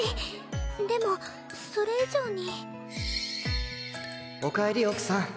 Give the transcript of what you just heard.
でもそれ以上におかえり奥さん。